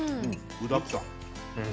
具だくさん。